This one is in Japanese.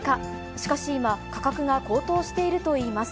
しかし今、価格が高騰しているといいます。